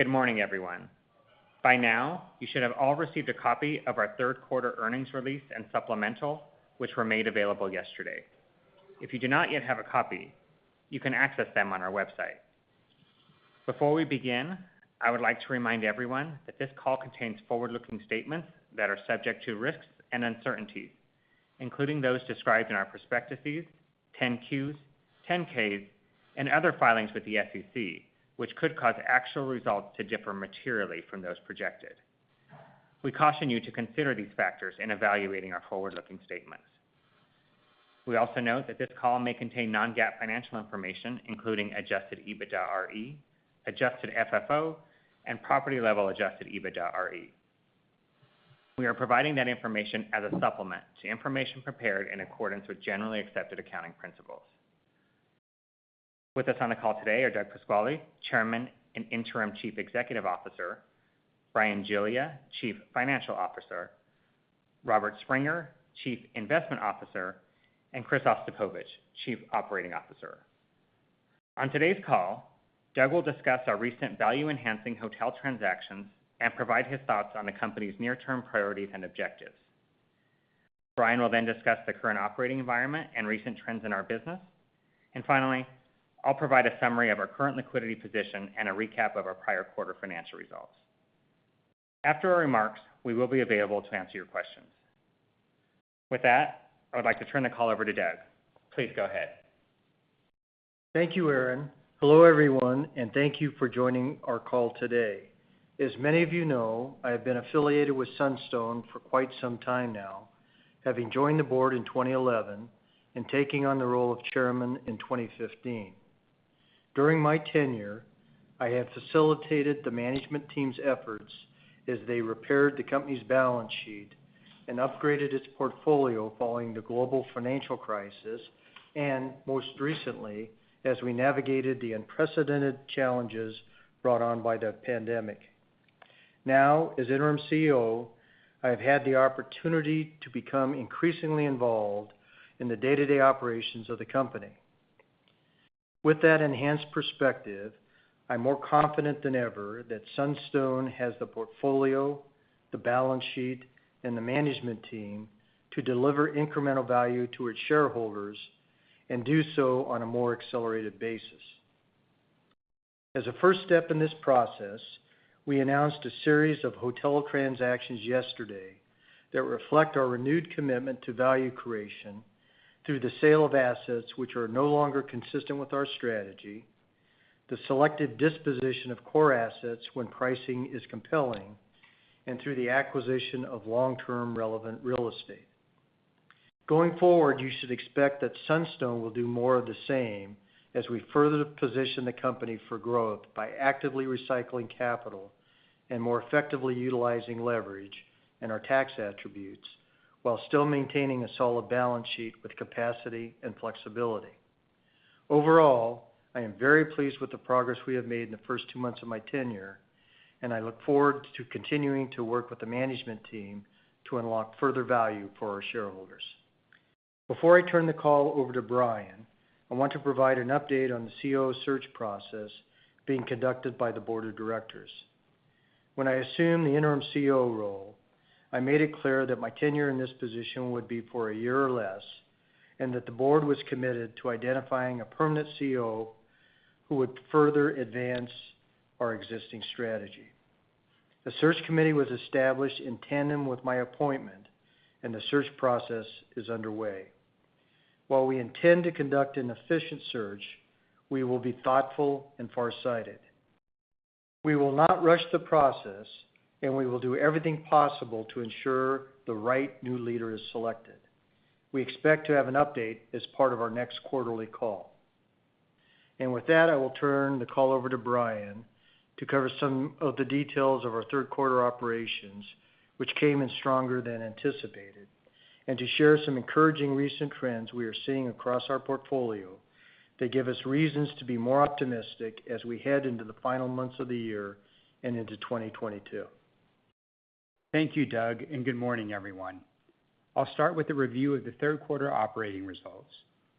Good morning, everyone. By now, you should have all received a copy of our third quarter earnings release and supplemental, which were made available yesterday. If you do not yet have a copy, you can access them on our website. Before we begin, I would like to remind everyone that this call contains forward-looking statements that are subject to risks and uncertainties, including those described in our prospectuses, 10-Qs, 10-Ks and other filings with the SEC, which could cause actual results to differ materially from those projected. We caution you to consider these factors in evaluating our forward-looking statements. We also note that this call may contain non-GAAP financial information, including Adjusted EBITDAre, Adjusted FFO, and property-level Adjusted EBITDAre. We are providing that information as a supplement to information prepared in accordance with generally accepted accounting principles. With us on the call today are Doug Pasquale, Chairman and Interim Chief Executive Officer, Bryan Giglia, Chief Financial Officer, Robert Springer, Chief Investment Officer, and Chris Ostapowicz, Chief Operating Officer. On today's call, Doug will discuss our recent value-enhancing hotel transactions and provide his thoughts on the company's near-term priorities and objectives. Bryan will then discuss the current operating environment and recent trends in our business. Finally, I'll provide a summary of our current liquidity position and a recap of our prior quarter financial results. After our remarks, we will be available to answer your questions. With that, I would like to turn the call over to Doug. Please go ahead. Thank you, Aaron. Hello, everyone, and thank you for joining our call today. As many of you know, I have been affiliated with Sunstone for quite some time now, having joined the board in 2011 and taking on the role of Chairman in 2015. During my tenure, I have facilitated the management team's efforts as they repaired the company's balance sheet and upgraded its portfolio following the global financial crisis, and most recently, as we navigated the unprecedented challenges brought on by the pandemic. Now, as Interim CEO, I've had the opportunity to become increasingly involved in the day-to-day operations of the company. With that enhanced perspective, I'm more confident than ever that Sunstone has the portfolio, the balance sheet, and the management team to deliver incremental value to its shareholders and do so on a more accelerated basis. As a first step in this process, we announced a series of hotel transactions yesterday that reflect our renewed commitment to value creation through the sale of assets which are no longer consistent with our strategy, the selected disposition of core assets when pricing is compelling, and through the acquisition of long-term relevant real estate. Going forward, you should expect that Sunstone will do more of the same as we further position the company for growth by actively recycling capital and more effectively utilizing leverage and our tax attributes while still maintaining a solid balance sheet with capacity and flexibility. Overall, I am very pleased with the progress we have made in the first two months of my tenure, and I look forward to continuing to work with the management team to unlock further value for our shareholders. Before I turn the call over to Bryan, I want to provide an update on the CEO search process being conducted by the board of directors. When I assumed the interim CEO role, I made it clear that my tenure in this position would be for a year or less, and that the board was committed to identifying a permanent CEO who would further advance our existing strategy. The search committee was established in tandem with my appointment, and the search process is underway. While we intend to conduct an efficient search, we will be thoughtful and farsighted. We will not rush the process, and we will do everything possible to ensure the right new leader is selected. We expect to have an update as part of our next quarterly call. With that, I will turn the call over to Bryan to cover some of the details of our third quarter operations, which came in stronger than anticipated, and to share some encouraging recent trends we are seeing across our portfolio that give us reasons to be more optimistic as we head into the final months of the year and into 2022. Thank you, Doug, and good morning, everyone. I'll start with a review of the third quarter operating results,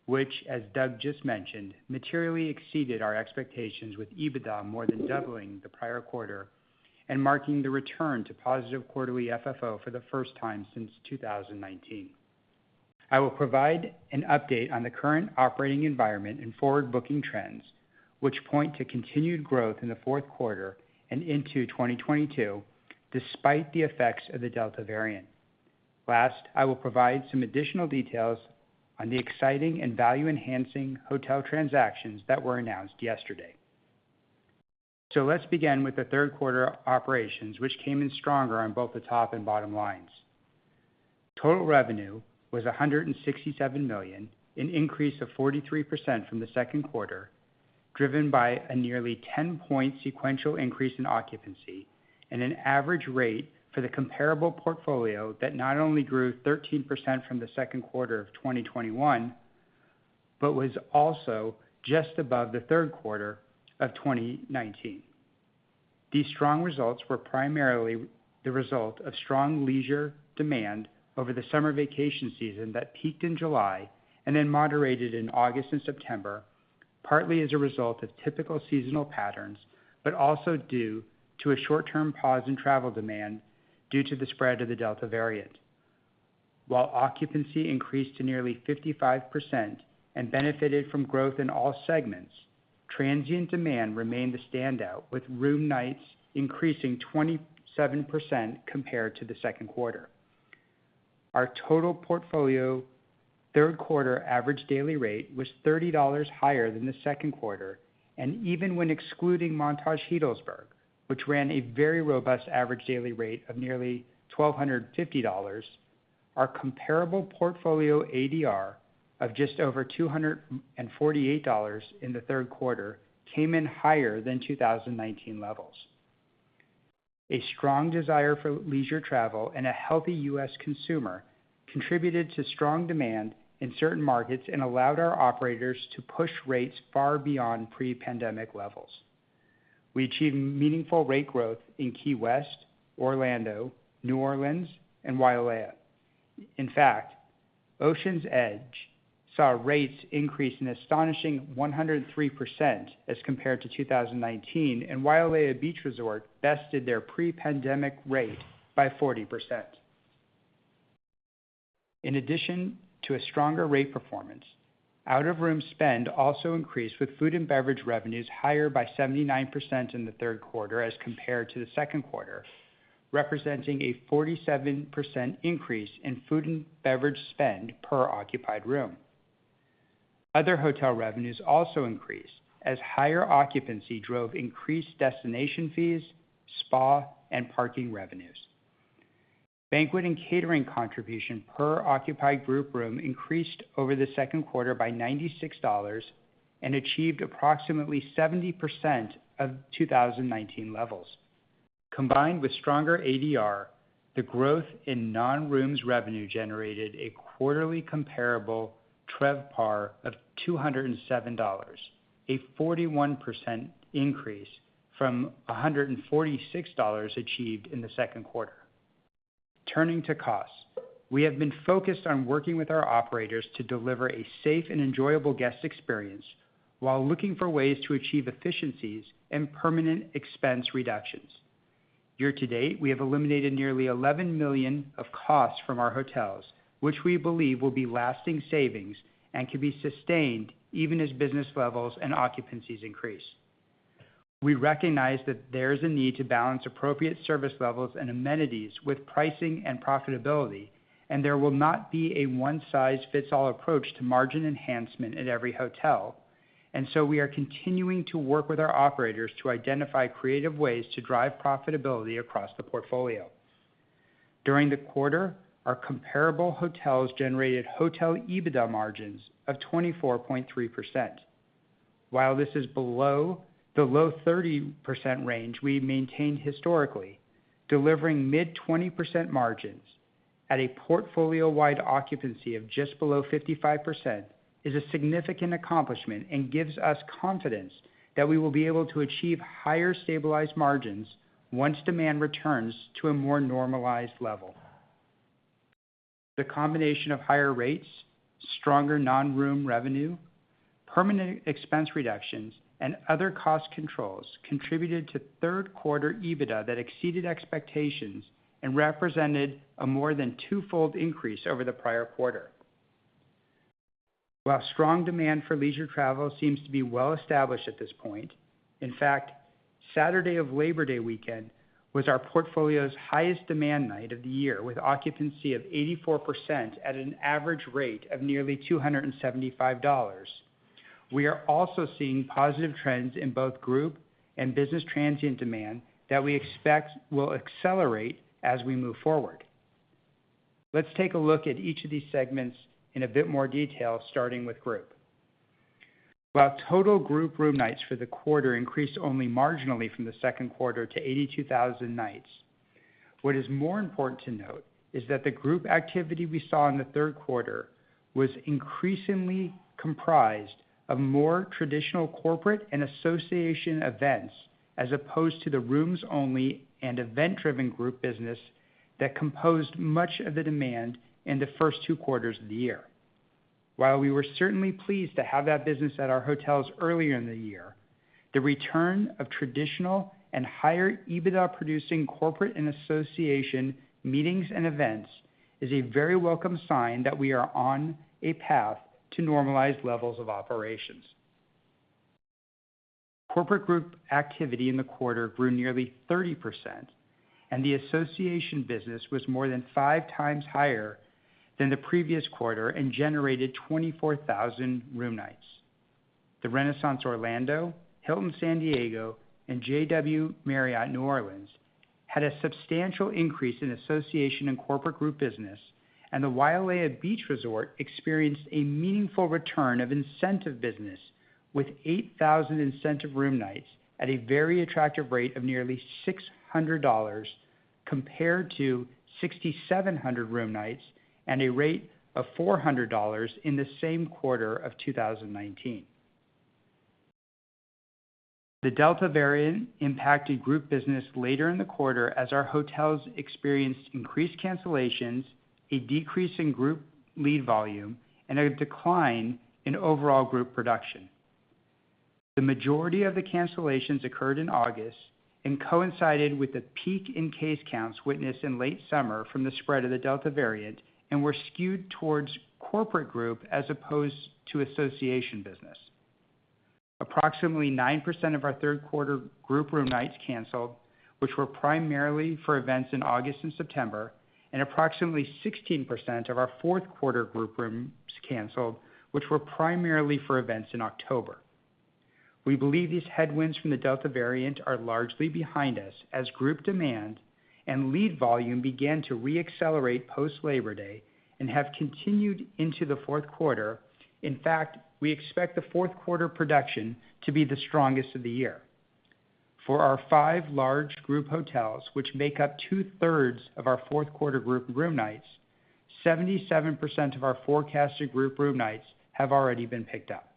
which as Doug just mentioned, materially exceeded our expectations with EBITDA more than doubling the prior quarter and marking the return to positive quarterly FFO for the first time since 2019. I will provide an update on the current operating environment and forward-booking trends, which point to continued growth in the fourth quarter and into 2022, despite the effects of the Delta variant. Last, I will provide some additional details on the exciting and value-enhancing hotel transactions that were announced yesterday. Let's begin with the third quarter operations, which came in stronger on both the top and bottom lines. Total revenue was $167 million, an increase of 43% from the second quarter, driven by a nearly 10-point sequential increase in occupancy and an average rate for the comparable portfolio that not only grew 13% from the second quarter of 2021, but was also just above the third quarter of 2019. These strong results were primarily the result of strong leisure demand over the summer vacation season that peaked in July and then moderated in August and September, partly as a result of typical seasonal patterns, but also due to a short-term pause in travel demand due to the spread of the Delta variant. While occupancy increased to nearly 55% and benefited from growth in all segments, transient demand remained the standout, with room nights increasing 27% compared to the second quarter. Our total portfolio third quarter average daily rate was $30 higher than the second quarter, and even when excluding Montage Healdsburg, which ran a very robust average daily rate of nearly $1,250, our comparable portfolio ADR of just over $248 in the third quarter came in higher than 2019 levels. A strong desire for leisure travel and a healthy U.S. consumer contributed to strong demand in certain markets and allowed our operators to push rates far beyond pre-pandemic levels. We achieved meaningful rate growth in Key West, Orlando, New Orleans, and Wailea. In fact, Oceans Edge saw rates increase an astonishing 103% as compared to 2019, and Wailea Beach Resort bested their pre-pandemic rate by 40%. In addition to a stronger rate performance, out-of-room spend also increased with food and beverage revenues higher by 79% in the third quarter as compared to the second quarter, representing a 47% increase in food and beverage spend per occupied room. Other hotel revenues also increased as higher occupancy drove increased destination fees, spa, and parking revenues. Banquet and catering contribution per occupied group room increased over the second quarter by $96 and achieved approximately 70% of 2019 levels. Combined with stronger ADR, the growth in non-rooms revenue generated a quarterly comparable RevPAR of $207, a 41% increase from $146 achieved in the second quarter. Turning to costs. We have been focused on working with our operators to deliver a safe and enjoyable guest experience while looking for ways to achieve efficiencies and permanent expense reductions. Year to date, we have eliminated nearly $11 million of costs from our hotels, which we believe will be lasting savings and can be sustained even as business levels and occupancies increase. We recognize that there is a need to balance appropriate service levels and amenities with pricing and profitability, and there will not be a one-size-fits-all approach to margin enhancement at every hotel. We are continuing to work with our operators to identify creative ways to drive profitability across the portfolio. During the quarter, our comparable hotels generated hotel EBITDA margins of 24.3%. While this is below the low 30% range we maintained historically, delivering mid-20% margins at a portfolio-wide occupancy of just below 55% is a significant accomplishment and gives us confidence that we will be able to achieve higher stabilized margins once demand returns to a more normalized level. The combination of higher rates, stronger non-room revenue, permanent expense reductions, and other cost controls contributed to third quarter EBITDA that exceeded expectations and represented a more than twofold increase over the prior quarter. While strong demand for leisure travel seems to be well-established at this point, in fact, Saturday of Labor Day weekend was our portfolio's highest demand night of the year, with occupancy of 84% at an average rate of nearly $275. We are also seeing positive trends in both group and business transient demand that we expect will accelerate as we move forward. Let's take a look at each of these segments in a bit more detail, starting with group. While total group room nights for the quarter increased only marginally from the second quarter to 82,000 nights, what is more important to note is that the group activity we saw in the third quarter was increasingly comprised of more traditional corporate and association events, as opposed to the rooms-only and event-driven group business that composed much of the demand in the first two quarters of the year. While we were certainly pleased to have that business at our hotels earlier in the year, the return of traditional and higher EBITDA-producing corporate and association meetings and events is a very welcome sign that we are on a path to normalized levels of operations. Corporate group activity in the quarter grew nearly 30%, and the association business was more than five times higher than the previous quarter and generated 24,000 room nights. The Renaissance Orlando, Hilton San Diego, and JW Marriott New Orleans had a substantial increase in association and corporate group business, and the Wailea Beach Resort experienced a meaningful return of incentive business with 8,000 incentive room nights at a very attractive rate of nearly $600, compared to 6,700 room nights at a rate of $400 in the same quarter of 2019. The Delta variant impacted group business later in the quarter as our hotels experienced increased cancellations, a decrease in group lead volume, and a decline in overall group production. The majority of the cancellations occurred in August and coincided with the peak in case counts witnessed in late summer from the spread of the Delta variant and were skewed towards corporate group as opposed to association business. Approximately 9% of our third quarter group room nights canceled, which were primarily for events in August and September, and approximately 16% of our fourth quarter group rooms canceled, which were primarily for events in October. We believe these headwinds from the Delta variant are largely behind us as group demand and lead volume began to re-accelerate post Labor Day and have continued into the fourth quarter. In fact, we expect the fourth quarter production to be the strongest of the year. For our five large group hotels, which make up 2/3 of our fourth quarter group room nights, 77% of our forecasted group room nights have already been picked up.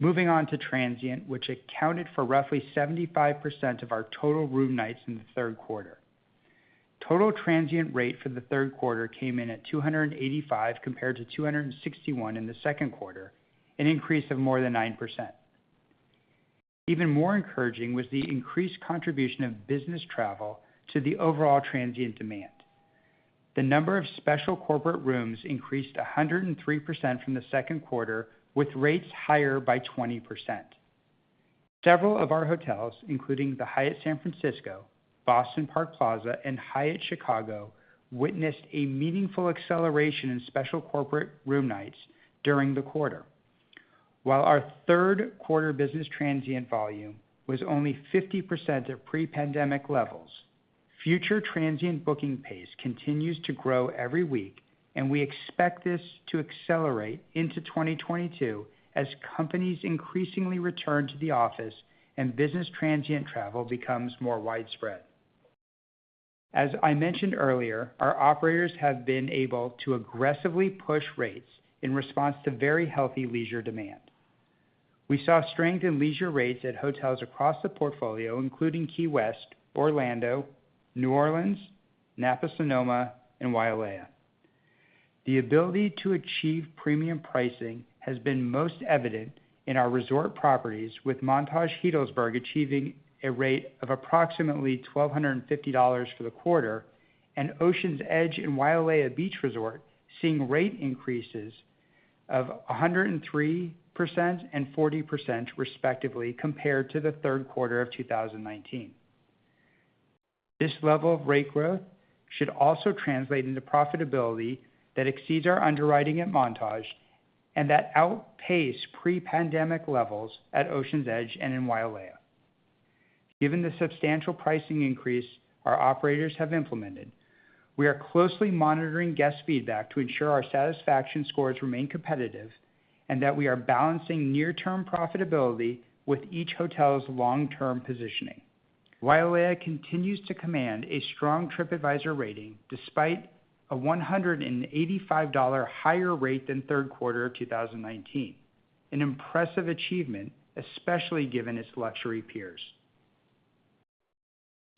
Moving on to transient, which accounted for roughly 75% of our total room nights in the third quarter. Total transient rate for the third quarter came in at 285 compared to 261 in the second quarter, an increase of more than 9%. Even more encouraging was the increased contribution of business travel to the overall transient demand. The number of special corporate rooms increased 103% from the second quarter, with rates higher by 20%. Several of our hotels, including the Hyatt San Francisco, Boston Park Plaza, and Hyatt Chicago, witnessed a meaningful acceleration in special corporate room nights during the quarter. While our third quarter business transient volume was only 50% of pre-pandemic levels, future transient booking pace continues to grow every week, and we expect this to accelerate into 2022 as companies increasingly return to the office and business transient travel becomes more widespread. As I mentioned earlier, our operators have been able to aggressively push rates in response to very healthy leisure demand. We saw strength in leisure rates at hotels across the portfolio, including Key West, Orlando, New Orleans, Napa-Sonoma, and Wailea. The ability to achieve premium pricing has been most evident in our resort properties, with Montage Healdsburg achieving a rate of approximately $1,250 for the quarter, and Oceans Edge and Wailea Beach Resort seeing rate increases of 103% and 40%, respectively, compared to the third quarter of 2019. This level of rate growth should also translate into profitability that exceeds our underwriting at Montage and that outpace pre-pandemic levels at Oceans Edge and in Wailea. Given the substantial pricing increase our operators have implemented, we are closely monitoring guest feedback to ensure our satisfaction scores remain competitive and that we are balancing near term profitability with each hotel's long term positioning. Wailea continues to command a strong Tripadvisor rating despite a $185 higher rate than third quarter of 2019. An impressive achievement, especially given its luxury peers.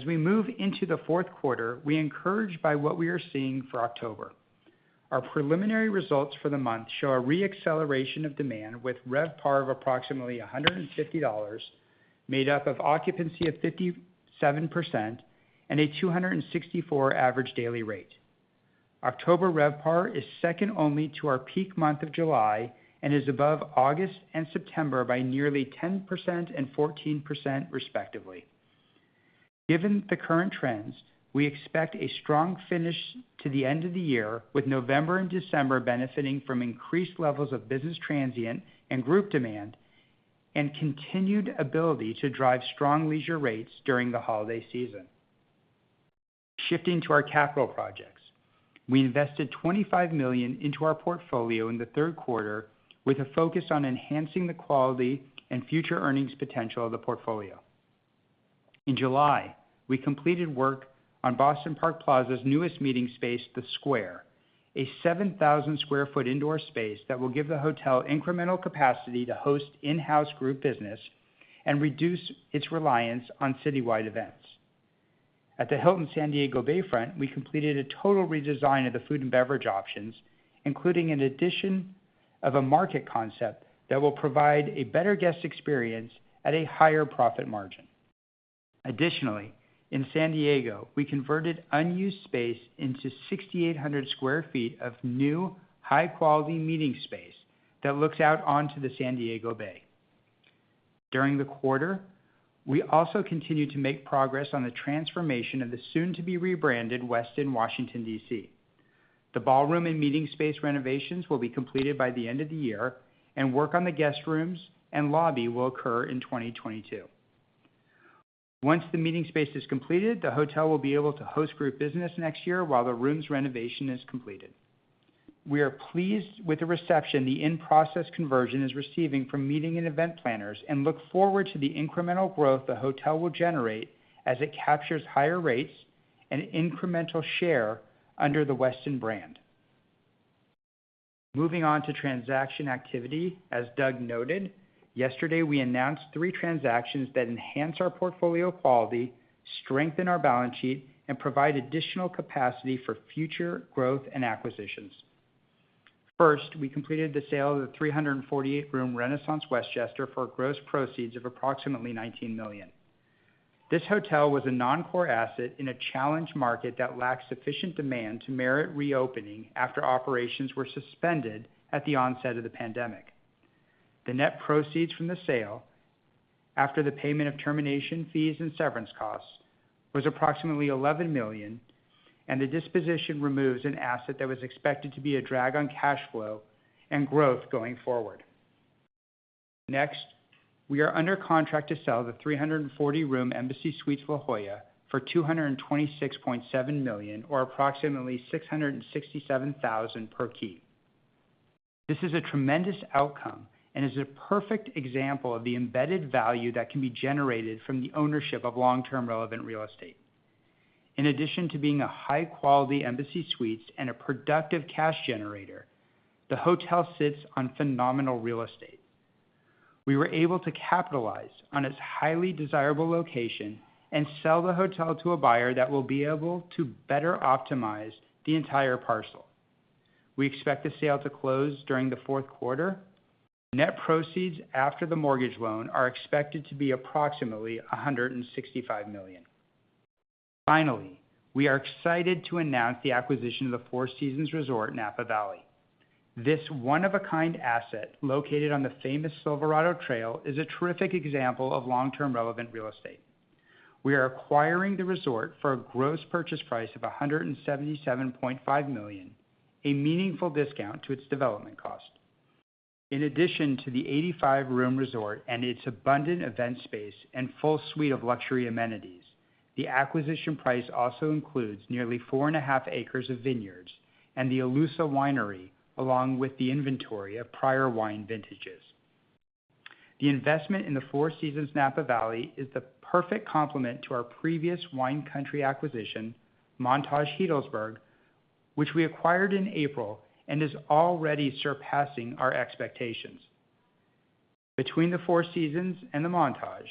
As we move into the fourth quarter, we are encouraged by what we are seeing for October. Our preliminary results for the month show a re-acceleration of demand with RevPAR of approximately $150, made up of occupancy of 57% and a 264 average daily rate. October RevPAR is second only to our peak month of July and is above August and September by nearly 10% and 14%, respectively. Given the current trends, we expect a strong finish to the end of the year, with November and December benefiting from increased levels of business transient and group demand and continued ability to drive strong leisure rates during the holiday season. Shifting to our capital projects. We invested $25 million into our portfolio in the third quarter with a focus on enhancing the quality and future earnings potential of the portfolio. In July, we completed work on Boston Park Plaza's newest meeting space, The Square, a 7,000 sq ft indoor space that will give the hotel incremental capacity to host in-house group business and reduce its reliance on citywide events. At the Hilton San Diego Bayfront, we completed a total redesign of the food and beverage options, including an addition of a market concept that will provide a better guest experience at a higher profit margin. Additionally, in San Diego, we converted unused space into 6,800 sq ft of new, high quality meeting space that looks out onto the San Diego Bay. During the quarter, we also continued to make progress on the transformation of the soon to be rebranded Westin Washington, D.C. The ballroom and meeting space renovations will be completed by the end of the year and work on the guest rooms and lobby will occur in 2022. Once the meeting space is completed, the hotel will be able to host group business next year while the rooms renovation is completed. We are pleased with the reception the in-process conversion is receiving from meeting and event planners, and look forward to the incremental growth the hotel will generate as it captures higher rates and incremental share under the Westin brand. Moving on to transaction activity. As Doug noted, yesterday we announced three transactions that enhance our portfolio quality, strengthen our balance sheet, and provide additional capacity for future growth and acquisitions. First, we completed the sale of the 348-room Renaissance Westchester for gross proceeds of approximately $19 million. This hotel was a non-core asset in a challenged market that lacked sufficient demand to merit reopening after operations were suspended at the onset of the pandemic. The net proceeds from the sale, after the payment of termination fees and severance costs, was approximately $11 million, and the disposition removes an asset that was expected to be a drag on cash flow and growth going forward. Next, we are under contract to sell the 340-room Embassy Suites La Jolla for $226.7 million or approximately $667,000 per key. This is a tremendous outcome and is a perfect example of the embedded value that can be generated from the ownership of long-term relevant real estate. In addition to being a high-quality Embassy Suites and a productive cash generator, the hotel sits on phenomenal real estate. We were able to capitalize on its highly desirable location and sell the hotel to a buyer that will be able to better optimize the entire parcel. We expect the sale to close during the fourth quarter. Net proceeds after the mortgage loan are expected to be approximately $165 million. Finally, we are excited to announce the acquisition of the Four Seasons Resort Napa Valley. This one-of-a-kind asset located on the famous Silverado Trail is a terrific example of long-term relevant real estate. We are acquiring the resort for a gross purchase price of $177.5 million, a meaningful discount to its development cost. In addition to the 85-room resort and its abundant event space and full suite of luxury amenities, the acquisition price also includes nearly 4.5 acres of vineyards and the Elusa Winery, along with the inventory of prior wine vintages. The investment in the Four Seasons Napa Valley is the perfect complement to our previous wine country acquisition, Montage Healdsburg, which we acquired in April and is already surpassing our expectations. Between the Four Seasons and the Montage,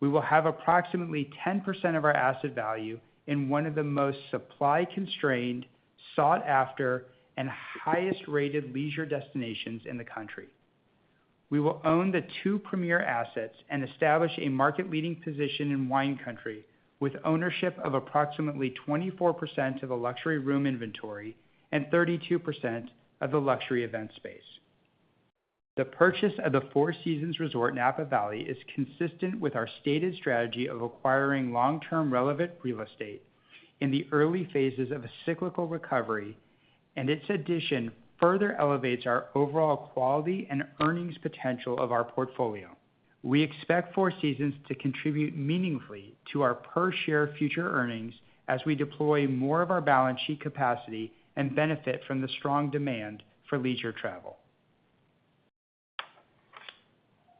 we will have approximately 10% of our asset value in one of the most supply constrained, sought after, and highest rated leisure destinations in the country. We will own the two premier assets and establish a market leading position in wine country with ownership of approximately 24% of the luxury room inventory and 32% of the luxury event space. The purchase of the Four Seasons Resort Napa Valley is consistent with our stated strategy of acquiring long-term relevant real estate in the early phases of a cyclical recovery, and its addition further elevates our overall quality and earnings potential of our portfolio. We expect Four Seasons to contribute meaningfully to our per share future earnings as we deploy more of our balance sheet capacity and benefit from the strong demand for leisure travel.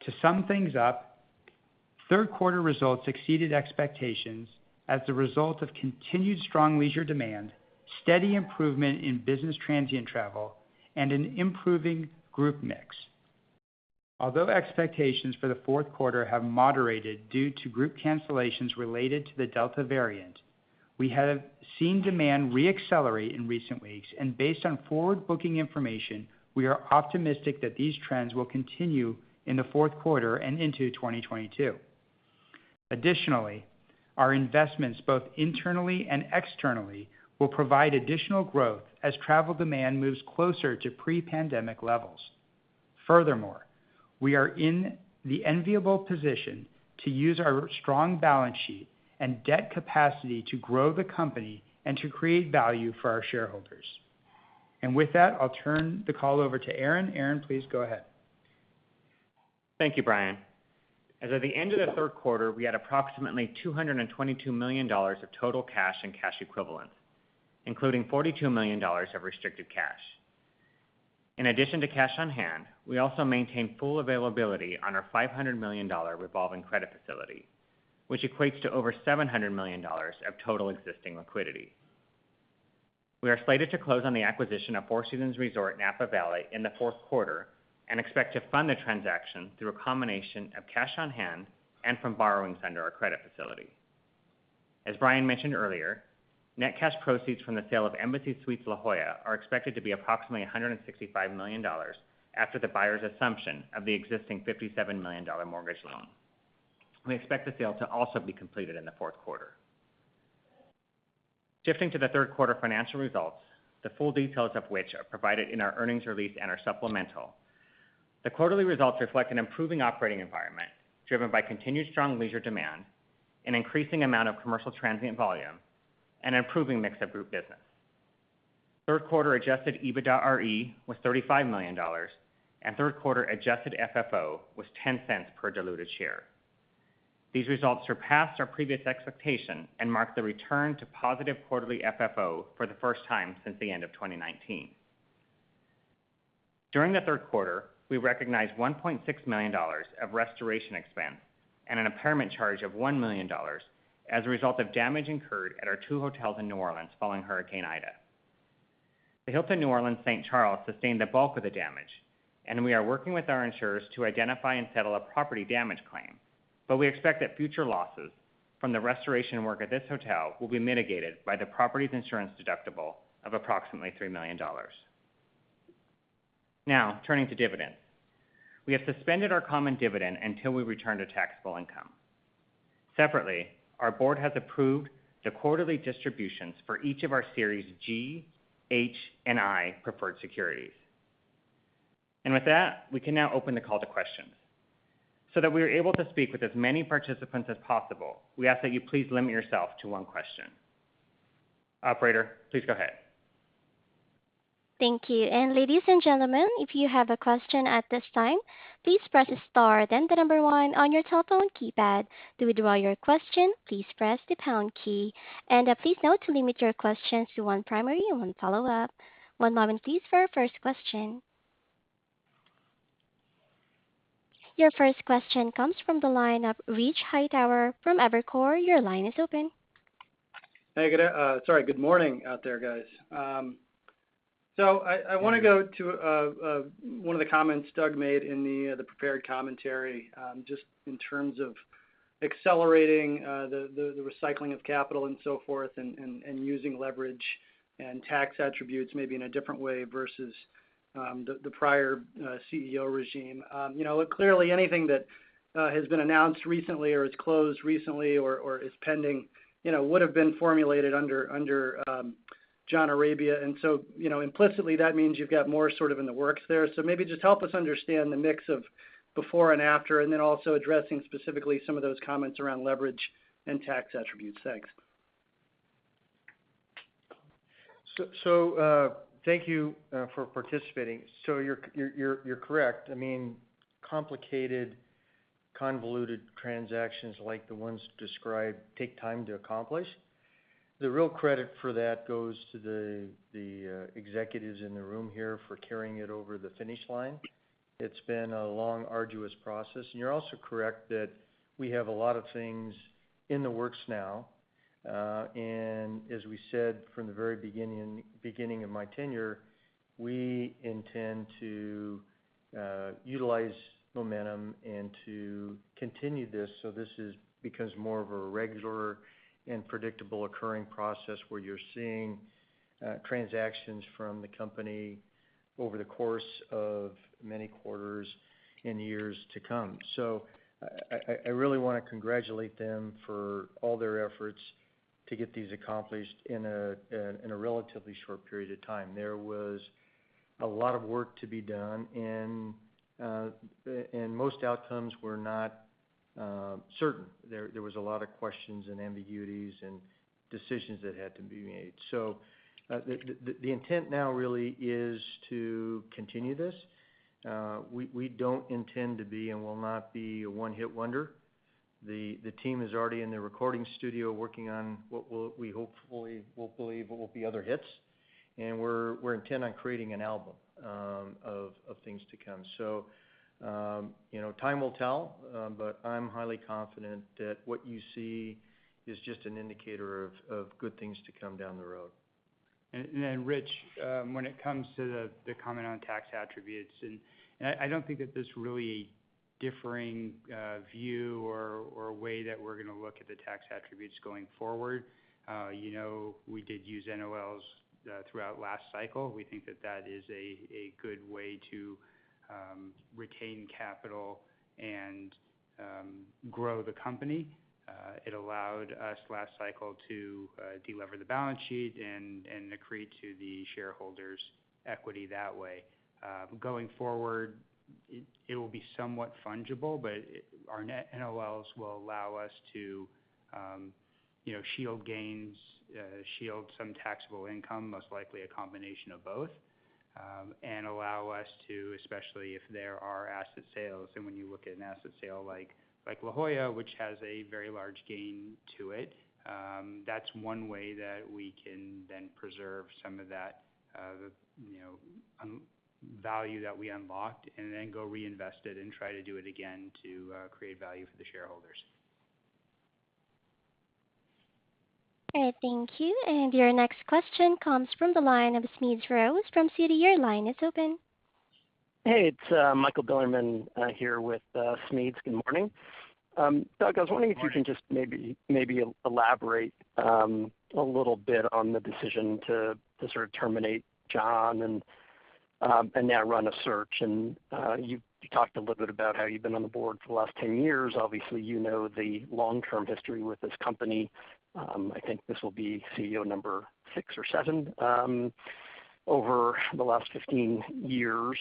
To sum things up, third quarter results exceeded expectations as a result of continued strong leisure demand, steady improvement in business transient travel, and an improving group mix. Although expectations for the fourth quarter have moderated due to group cancellations related to the Delta variant, we have seen demand re-accelerate in recent weeks. Based on forward booking information, we are optimistic that these trends will continue in the fourth quarter and into 2022. Additionally, our investments, both internally and externally, will provide additional growth as travel demand moves closer to pre-pandemic levels. Furthermore, we are in the enviable position to use our strong balance sheet and debt capacity to grow the company and to create value for our shareholders. With that, I'll turn the call over to Aaron. Aaron, please go ahead. Thank you, Brian. As at the end of the third quarter, we had approximately $222 million of total cash and cash equivalents, including $42 million of restricted cash. In addition to cash on hand, we also maintain full availability on our $500 million revolving credit facility, which equates to over $700 million of total existing liquidity. We are slated to close on the acquisition of Four Seasons Resort Napa Valley in the fourth quarter, and expect to fund the transaction through a combination of cash on hand and from borrowings under our credit facility. As Brian mentioned earlier, net cash proceeds from the sale of Embassy Suites La Jolla are expected to be approximately $165 million after the buyer's assumption of the existing $57 million mortgage loan. We expect the sale to also be completed in the fourth quarter. Shifting to the third quarter financial results, the full details of which are provided in our earnings release and our supplemental. The quarterly results reflect an improving operating environment driven by continued strong leisure demand, an increasing amount of commercial transient volume, and improving mix of group business. Third quarter adjusted EBITDAre was $35 million, and third quarter adjusted FFO was $0.10 per diluted share. These results surpassed our previous expectation and marked the return to positive quarterly FFO for the first time since the end of 2019. During the third quarter, we recognized $1.6 million of restoration expense and an impairment charge of $1 million as a result of damage incurred at our two hotels in New Orleans following Hurricane Ida. The Hilton New Orleans/St. Charles Avenue. Charles sustained the bulk of the damage. We are working with our insurers to identify and settle a property damage claim. We expect that future losses from the restoration work at this hotel will be mitigated by the property's insurance deductible of approximately $3 million. Now, turning to dividends. We have suspended our common dividend until we return to taxable income. Separately, our board has approved the quarterly distributions for each of our Series G, H, and I preferred securities. With that, we can now open the call to questions. That we are able to speak with as many participants as possible, we ask that you please limit yourself to one question. Operator, please go ahead. Thank you. Ladies and gentlemen, if you have a question at this time, please press star then the number one on your telephone keypad. To withdraw your question, please press the pound key. Please note to limit your questions to one primary and one follow-up. One moment please, for our first question. Your first question comes from the line of Rich Hightower from Evercore. Your line is open. Hey, sorry, good morning out there, guys. I wanna go to one of the comments Doug made in the prepared commentary, just in terms of accelerating the recycling of capital and so forth and using leverage and tax attributes maybe in a different way versus the prior CEO regime. You know, clearly anything that has been announced recently or is closed recently or is pending, you know, would have been formulated under John Arabia. You know, implicitly, that means you've got more sort of in the works there. Maybe just help us understand the mix of before and after, and then also addressing specifically some of those comments around leverage and tax attributes. Thanks. Thank you for participating. You're correct. I mean, complicated, convoluted transactions like the ones described take time to accomplish. The real credit for that goes to the executives in the room here for carrying it over the finish line. It's been a long, arduous process. You're also correct that we have a lot of things in the works now. As we said from the very beginning of my tenure, we intend to utilize momentum and to continue this, so this becomes more of a regular and predictable occurring process where you're seeing transactions from the company over the course of many quarters and years to come. I really wanna congratulate them for all their efforts to get these accomplished in a relatively short period of time. There was a lot of work to be done, and most outcomes were not certain. There was a lot of questions and ambiguities and decisions that had to be made. The intent now really is to continue this. We don't intend to be and will not be a one-hit wonder. The team is already in the recording studio working on what we hopefully will believe will be other hits. We're intent on creating an album of things to come. You know, time will tell, but I'm highly confident that what you see is just an indicator of good things to come down the road. Rich, when it comes to the comment on tax attributes, I don't think that there's really a differing view or a way that we're gonna look at the tax attributes going forward. You know, we did use NOLs throughout last cycle. We think that is a good way to retain capital and grow the company. It allowed us last cycle to delever the balance sheet and accrete to the shareholders equity that way. Going forward, it will be somewhat fungible, but our net NOLs will allow us to, you know, shield gains, shield some taxable income, most likely a combination of both, and allow us to, especially if there are asset sales, and when you look at an asset sale like La Jolla, which has a very large gain to it, that's one way that we can then preserve some of that, you know, value that we unlocked and then go reinvest it and try to do it again to create value for the shareholders. All right. Thank you. Your next question comes from the line of Smedes Rose from Citi, your line is open. Hey, it's Michael Bilerman here with Smedes Rose. Good morning. Doug, I was wondering if you can just maybe elaborate a little bit on the decision to sort of terminate John and now run a search. You talked a little bit about how you've been on the board for the last 10 years. Obviously, you know the long-term history with this company. I think this will be CEO number six or seven over the last 15 years.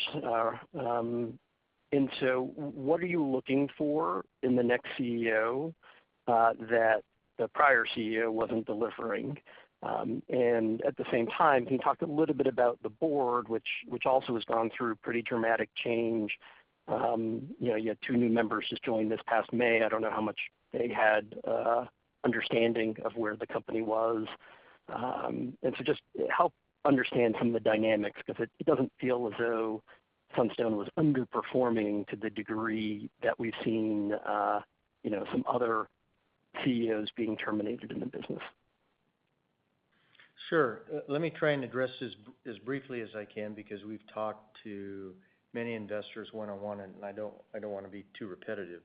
What are you looking for in the next CEO that the prior CEO wasn't delivering? At the same time, can you talk a little bit about the board, which also has gone through pretty dramatic change. You know, you had two new members just join this past May. I don't know how much they had understanding of where the company was. Just help understand some of the dynamics 'cause it doesn't feel as though Sunstone was underperforming to the degree that we've seen some other CEOs being terminated in the business. Sure. Let me try and address this as briefly as I can because we've talked to many investors one-on-one, and I don't wanna be too repetitive.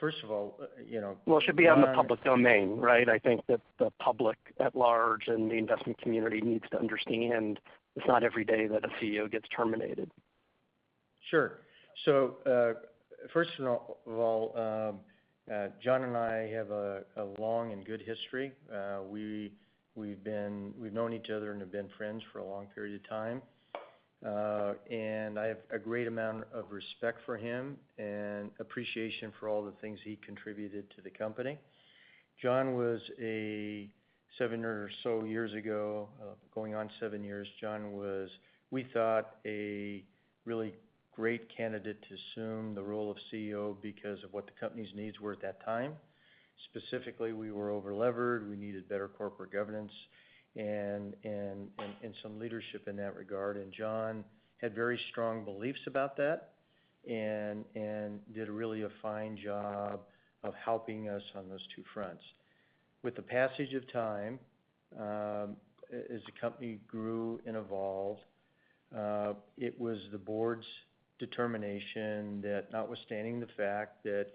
First of all, you know. Well, it should be on the public domain, right? I think that the public at large and the investment community needs to understand it's not every day that a CEO gets terminated. First of all, John and I have a long and good history. We've known each other and have been friends for a long period of time. I have a great amount of respect for him and appreciation for all the things he contributed to the company. Seven or so years ago, going on seven years, we thought John was a really great candidate to assume the role of CEO because of what the company's needs were at that time. Specifically, we were over-levered. We needed better corporate governance and some leadership in that regard, and John had very strong beliefs about that and did a really fine job of helping us on those two fronts. With the passage of time, as the company grew and evolved, it was the board's determination that notwithstanding the fact that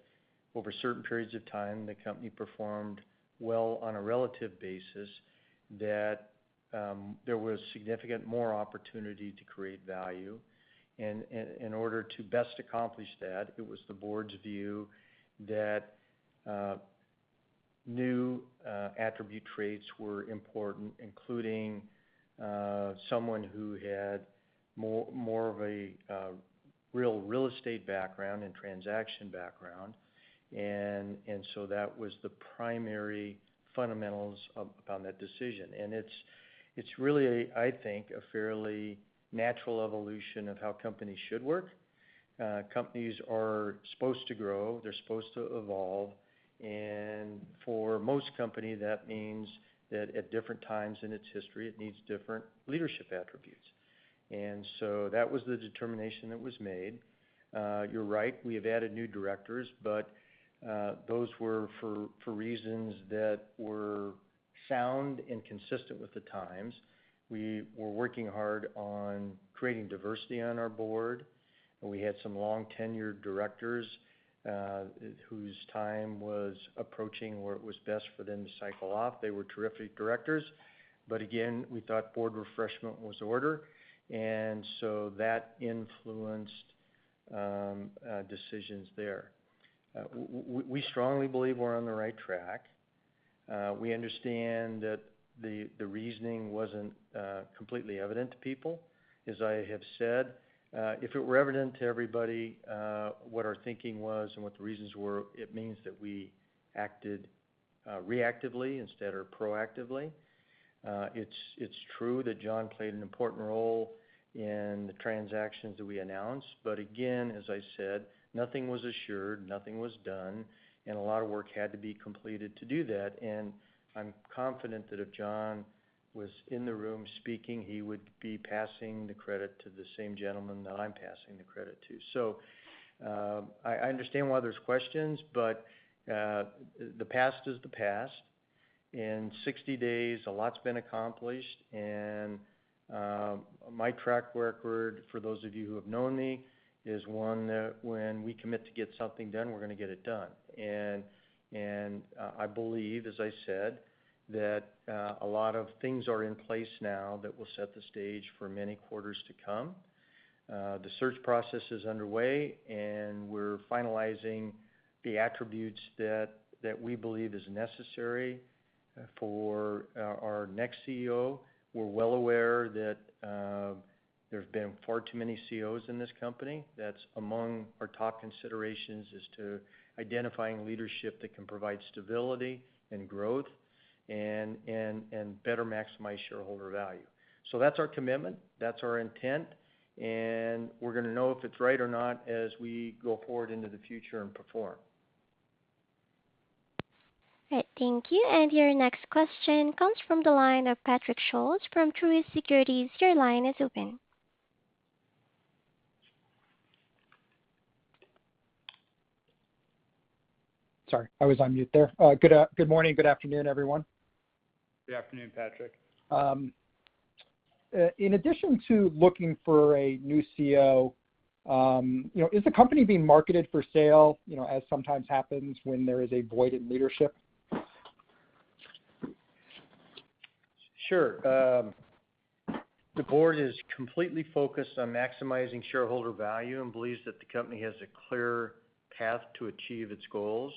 over certain periods of time the company performed well on a relative basis, that there was significant more opportunity to create value. In order to best accomplish that, it was the board's view that new attribute traits were important, including someone who had more of a real estate background and transaction background. That was the primary fundamentals on that decision. It's really, I think, a fairly natural evolution of how companies should work. Companies are supposed to grow. They're supposed to evolve. For most company, that means that at different times in its history, it needs different leadership attributes. That was the determination that was made. You're right, we have added new directors, but those were for reasons that were sound and consistent with the times. We were working hard on creating diversity on our board, and we had some long tenured directors whose time was approaching where it was best for them to cycle off. They were terrific directors, but again, we thought board refreshment was in order. That influenced decisions there. We strongly believe we're on the right track. We understand that the reasoning wasn't completely evident to people. As I have said, if it were evident to everybody what our thinking was and what the reasons were, it means that we acted reactively instead of proactively. It's true that John played an important role in the transactions that we announced, but again, as I said, nothing was assured, nothing was done, and a lot of work had to be completed to do that. I'm confident that if John was in the room speaking, he would be passing the credit to the same gentleman that I'm passing the credit to. I understand why there's questions, but the past is the past. In 60 days, a lot's been accomplished, and my track record, for those of you who have known me, is one that when we commit to get something done, we're gonna get it done. I believe, as I said, that a lot of things are in place now that will set the stage for many quarters to come. The search process is underway, and we're finalizing the attributes that we believe is necessary for our next CEO. We're well aware that there've been far too many CEOs in this company. That's among our top considerations is to identifying leadership that can provide stability and growth and better maximize shareholder value. That's our commitment, that's our intent, and we're gonna know if it's right or not as we go forward into the future and perform. All right. Thank you. Your next question comes from the line of Patrick Scholes from Truist Securities. Your line is open. Sorry, I was on mute there. Good morning, good afternoon, everyone. Good afternoon, Patrick. In addition to looking for a new CEO, you know, is the company being marketed for sale, you know, as sometimes happens when there is a void in leadership? Sure. The board is completely focused on maximizing shareholder value and believes that the company has a clear path to achieve its goals.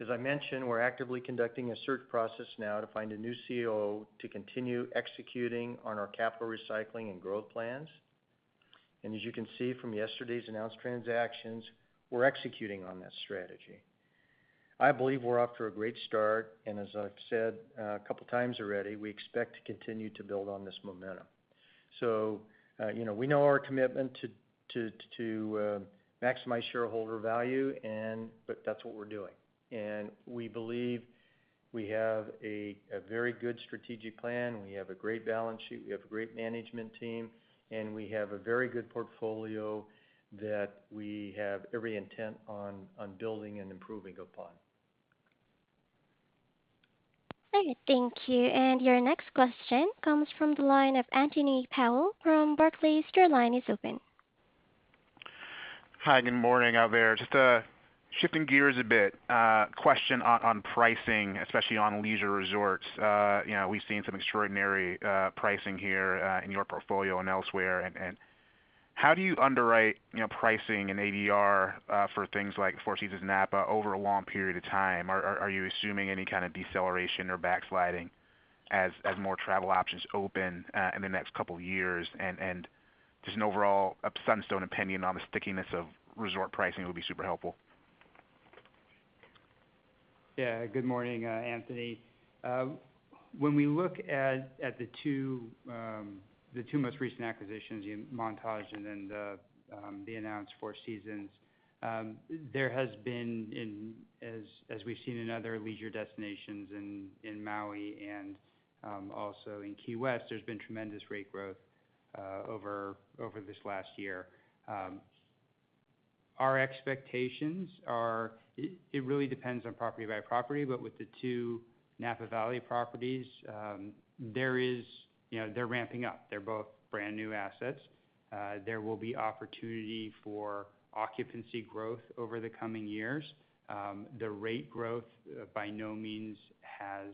As I mentioned, we're actively conducting a search process now to find a new CEO to continue executing on our capital recycling and growth plans. As you can see from yesterday's announced transactions, we're executing on that strategy. I believe we're off to a great start, and as I've said a couple times already, we expect to continue to build on this momentum. You know, we know our commitment to maximize shareholder value, but that's what we're doing. We believe we have a very good strategic plan. We have a great balance sheet. We have a great management team, and we have a very good portfolio that we have every intent on building and improving upon. All right. Thank you. Your next question comes from the line of Anthony Powell from Barclays. Your line is open. Hi, good morning, out there. Just shifting gears a bit. Question on pricing, especially on leisure resorts. You know, we've seen some extraordinary pricing here in your portfolio and elsewhere. How do you underwrite pricing and ADR for things like Four Seasons Napa over a long period of time? Are you assuming any kind of deceleration or backsliding as more travel options open in the next couple years? Just an overall Sunstone opinion on the stickiness of resort pricing would be super helpful. Yeah. Good morning, Anthony. When we look at the two most recent acquisitions, you know, Montage and then the announced Four Seasons, there has been as we've seen in other leisure destinations in Maui and also in Key West, there's been tremendous rate growth over this last year. Our expectations are it really depends on property by property, but with the two Napa Valley properties, there is. You know, they're ramping up. They're both brand-new assets. There will be opportunity for occupancy growth over the coming years. The rate growth by no means has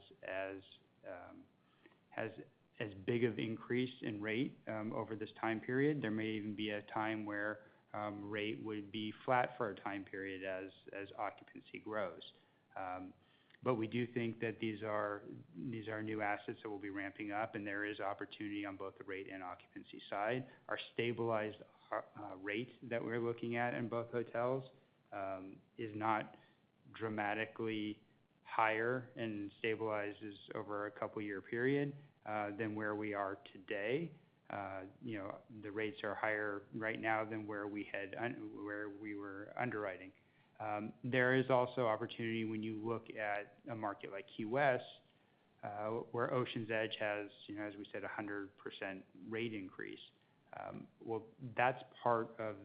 as big of increase in rate over this time period. There may even be a time where rate would be flat for a time period as occupancy grows. We do think that these are new assets that we'll be ramping up, and there is opportunity on both the rate and occupancy side. Our stabilized rate that we're looking at in both hotels is not dramatically higher and stabilizes over a couple year period than where we are today. You know, the rates are higher right now than where we were underwriting. There is also opportunity when you look at a market like Key West, where Oceans Edge has, you know, as we said, 100% rate increase. Well, that's part of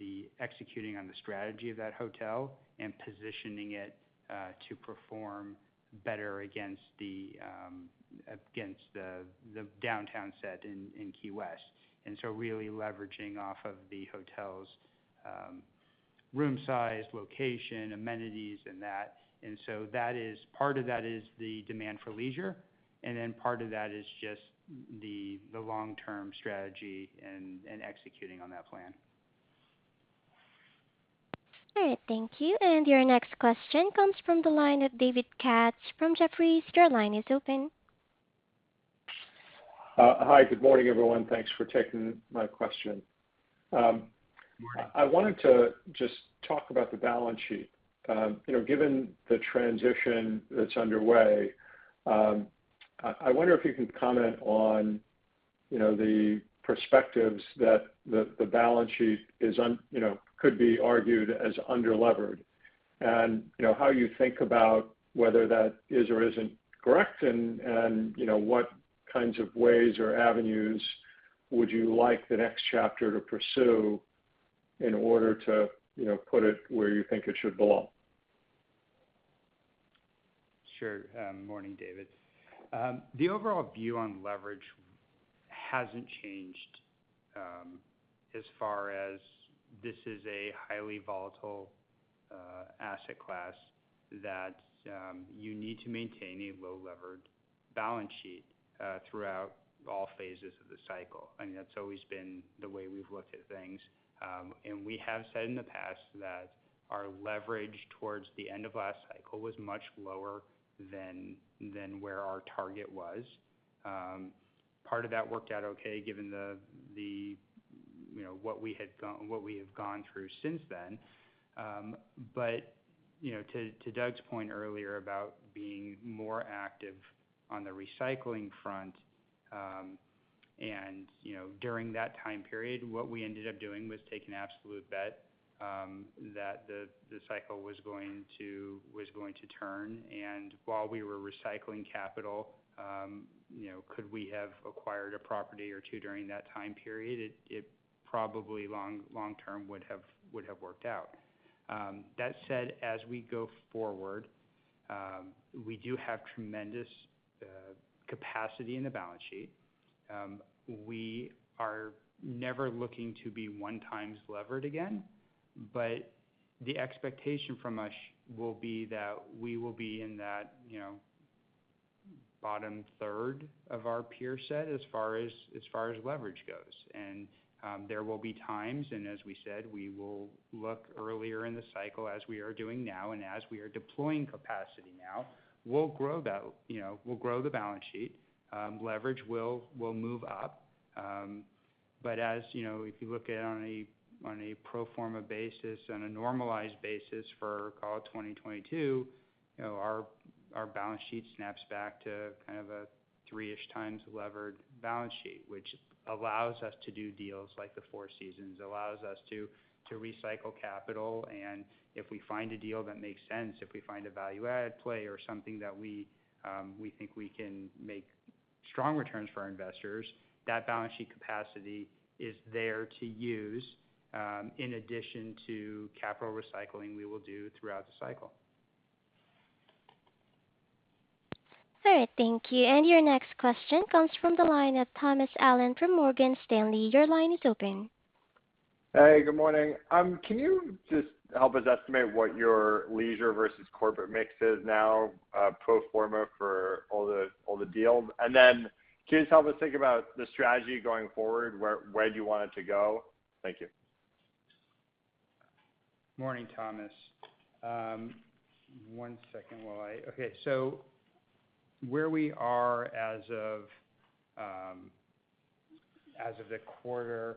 the executing on the strategy of that hotel and positioning it to perform better against the downtown set in Key West. Really leveraging off of the hotel's room size, location, amenities, and that. Part of that is the demand for leisure, and then part of that is just the long-term strategy and executing on that plan. All right. Thank you. Your next question comes from the line of David Katz from Jefferies. Your line is open. Hi. Good morning, everyone. Thanks for taking my question. I wanted to just talk about the balance sheet. You know, given the transition that's underway, I wonder if you can comment on, you know, the perspectives that the balance sheet could be argued as under-levered. You know, how you think about whether that is or isn't correct and, you know, what kinds of ways or avenues would you like the next chapter to pursue in order to, you know, put it where you think it should belong? Sure. Morning, David. The overall view on leverage hasn't changed, as far as this is a highly volatile asset class that you need to maintain a low-levered balance sheet throughout all phases of the cycle. I mean, that's always been the way we've looked at things. We have said in the past that our leverage towards the end of last cycle was much lower than where our target was. Part of that worked out okay given the, you know, what we have gone through since then. You know, to Doug's point earlier about being more active on the recycling front, and you know, during that time period, what we ended up doing was take an absolute bet that the cycle was going to turn. While we were recycling capital, you know, could we have acquired a property or two during that time period? It probably, long term, would have worked out. That said, as we go forward, we do have tremendous capacity in the balance sheet. We are never looking to be one times levered again, but the expectation from us will be that we will be in that, you know, bottom third of our peer set as far as leverage goes. There will be times, and as we said, we will look earlier in the cycle as we are doing now and as we are deploying capacity now. We'll grow that, you know, we'll grow the balance sheet. Leverage will move up. As you know, if you look at it on a pro forma basis, on a normalized basis for, call it, 2022, you know, our balance sheet snaps back to kind of a three-ish times levered balance sheet, which allows us to do deals like the Four Seasons, allows us to recycle capital. If we find a deal that makes sense, if we find a value add play or something that we think we can make strong returns for our investors. That balance sheet capacity is there to use, in addition to capital recycling we will do throughout the cycle. All right. Thank you. Your next question comes from the line of Thomas Allen from Morgan Stanley. Your line is open. Hey, good morning. Can you just help us estimate what your leisure versus corporate mix is now, pro forma for all the deals? Then can you just help us think about the strategy going forward? Where do you want it to go? Thank you. Morning, Thomas. Where we are as of the quarter,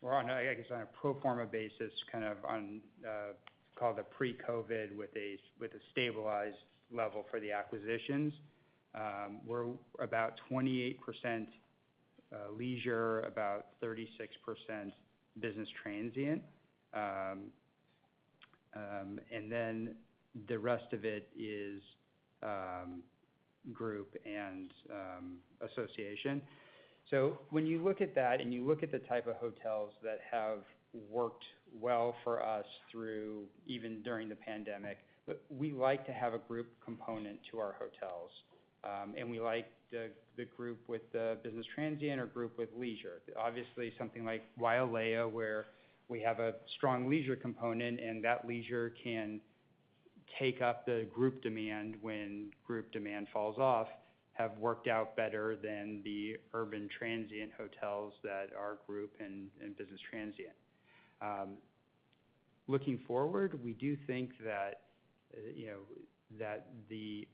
we're on a pro forma basis, kind of on, call it a pre-COVID with a stabilized level for the acquisitions. We're about 28% leisure, about 36% business transient. And then the rest of it is group and association. When you look at that and you look at the type of hotels that have worked well for us through even during the pandemic, we like to have a group component to our hotels, and we like the group with the business transient or group with leisure. Obviously, something like Wailea, where we have a strong leisure component, and that leisure can take up the group demand when group demand falls off, have worked out better than the urban transient hotels that are group and business transient. Looking forward, we do think that, you know, the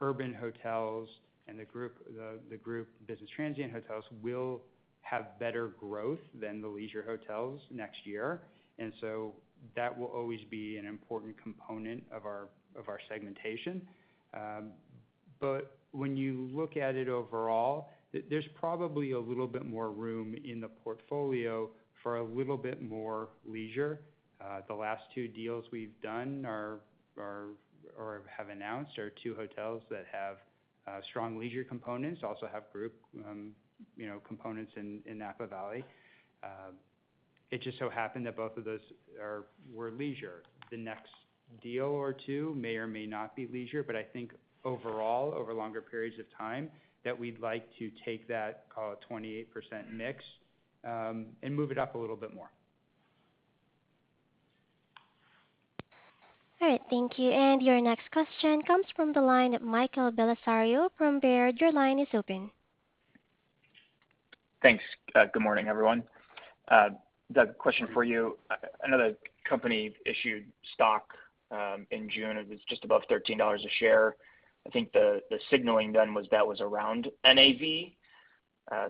urban hotels and the group business transient hotels will have better growth than the leisure hotels next year. That will always be an important component of our segmentation. When you look at it overall, there's probably a little bit more room in the portfolio for a little bit more leisure. The last two deals we've done or have announced are two hotels that have strong leisure components, also have group, you know, components in Napa Valley. It just so happened that both of those were leisure. The next deal or two may or may not be leisure, but I think overall, over longer periods of time, that we'd like to take that, call it 28% mix, and move it up a little bit more. All right. Thank you. Your next question comes from the line of Michael Bellisario from Baird. Your line is open. Thanks. Good morning, everyone. Doug, question for you. I know the company issued stock in June. It was just above $13 a share. I think the signaling then was that was around NAV.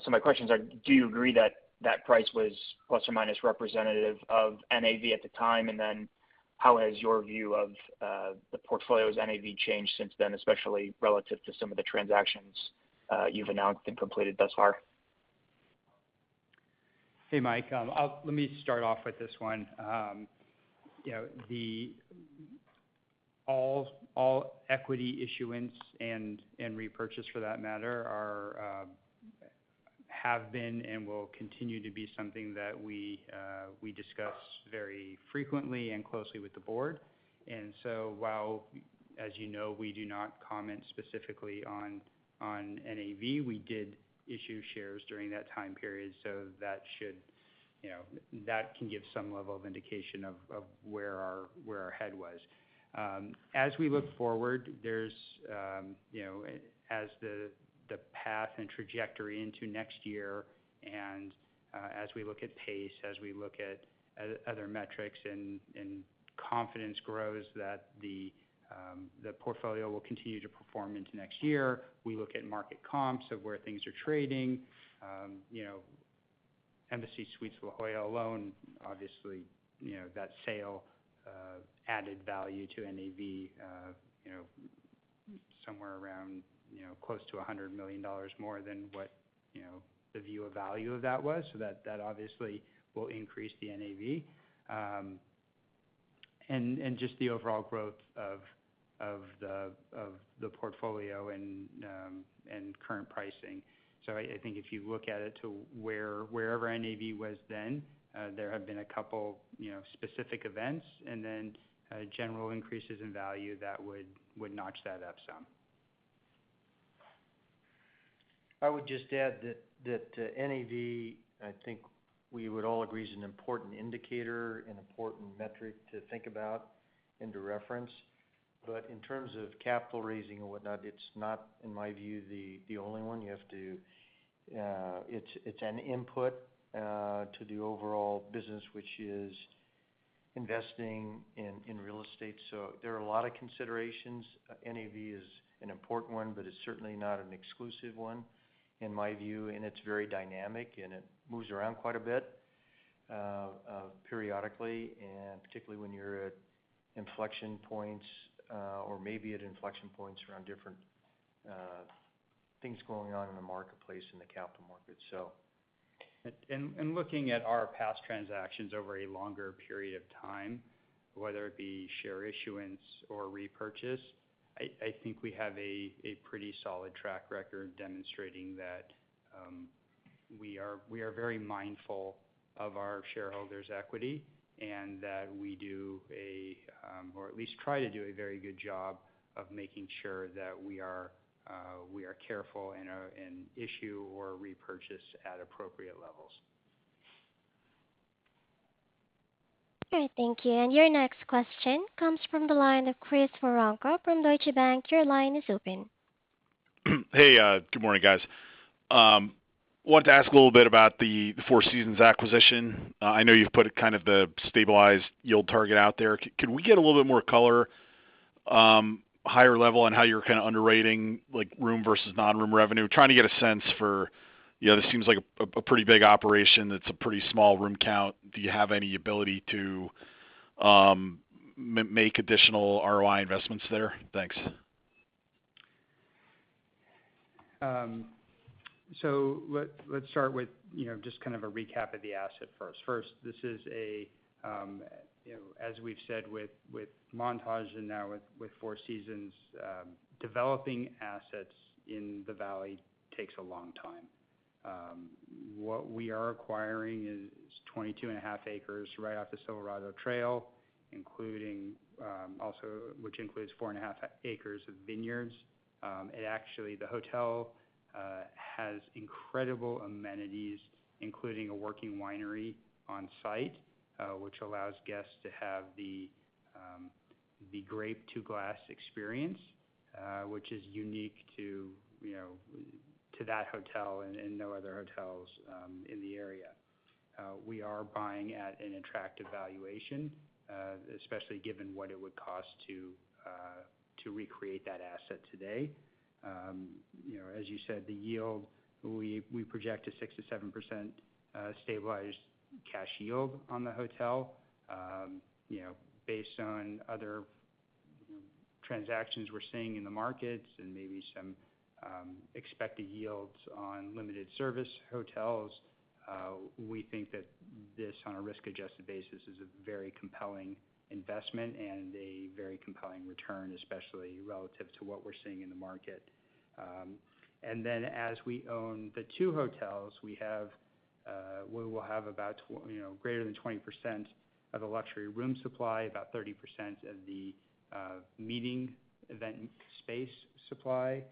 So my questions are, do you agree that that price was plus or minus representative of NAV at the time? How has your view of the portfolio's NAV changed since then, especially relative to some of the transactions you've announced and completed thus far? Hey, Mike. Let me start off with this one. You know, all equity issuance and repurchase for that matter have been and will continue to be something that we discuss very frequently and closely with the board. While, as you know, we do not comment specifically on NAV, we did issue shares during that time period, so that should, you know, that can give some level of indication of where our head was. As we look forward, there's you know as the path and trajectory into next year, and as we look at pace, as we look at other metrics and confidence grows that the portfolio will continue to perform into next year, we look at market comps of where things are trading. You know, Embassy Suites La Jolla alone, obviously, you know, that sale added value to NAV, you know, somewhere around close to $100 million more than what, you know, the viewed value of that was. That obviously will increase the NAV. Just the overall growth of the portfolio and current pricing. I think if you look at it to wherever NAV was then, there have been a couple, you know, specific events and then general increases in value that would notch that up some. I would just add that NAV, I think we would all agree, is an important indicator, an important metric to think about and to reference. But in terms of capital raising and whatnot, it's not, in my view, the only one. It's an input to the overall business, which is investing in real estate. So there are a lot of considerations. NAV is an important one, but it's certainly not an exclusive one, in my view. It's very dynamic, and it moves around quite a bit, periodically, and particularly when you're at inflection points, or maybe at inflection points around different. Things going on in the marketplace, in the capital market, so. In looking at our past transactions over a longer period of time, whether it be share issuance or repurchase, I think we have a pretty solid track record demonstrating that we are very mindful of our shareholders' equity and that we do or at least try to do a very good job of making sure that we are careful and issue or repurchase at appropriate levels. All right, thank you. Your next question comes from the line of Chris Woronka from Deutsche Bank. Your line is open. Hey, good morning, guys. Wanted to ask a little bit about the Four Seasons acquisition. I know you've put kind of the stabilized yield target out there. Can we get a little bit more color, higher level on how you're kind of underwriting, like, room versus non-room revenue? Trying to get a sense for, you know, this seems like a pretty big operation that's a pretty small room count. Do you have any ability to make additional ROI investments there? Thanks. Let's start with, you know, just kind of a recap of the asset first. First, this is a, you know, as we've said with Montage and now with Four Seasons, developing assets in the valley takes a long time. What we are acquiring is 22.5 acres right off the Silverado Trail, including, which includes 4.5 acres of vineyards. It actually, the hotel has incredible amenities, including a working winery on site, which allows guests to have the grape to glass experience, which is unique to, you know, to that hotel and no other hotels in the area. We are buying at an attractive valuation, especially given what it would cost to recreate that asset today. You know, as you said, the yield, we project a 6%-7% stabilized cash yield on the hotel. You know, based on other transactions we're seeing in the markets and maybe some expected yields on limited service hotels, we think that this, on a risk-adjusted basis, is a very compelling investment and a very compelling return, especially relative to what we're seeing in the market. As we own the two hotels, we will have greater than 20% of the luxury room supply, about 30% of the meeting event space supply.